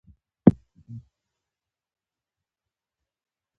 ده خپل وکیل ته هدایت ورکړ.